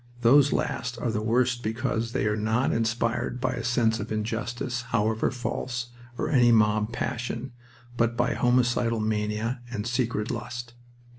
Those last are the worst because they are not inspired by a sense of injustice, however false, or any mob passion, but by homicidal mania and secret lust.